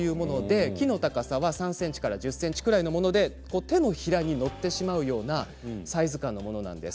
木の高さが３ｃｍから１０ｃｍぐらいのもので手のひらに乗ってしまうぐらいのサイズ感のものです。